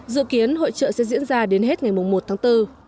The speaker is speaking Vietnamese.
dự kiến hội trợ sẽ diễn ra đến hết ngày một tháng bốn